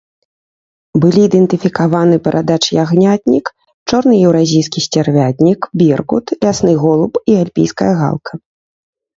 Былі ідэнтыфікаваны барадач-ягнятнік, чорны еўразійскі сцярвятнік, беркут, лясны голуб і альпійская галка.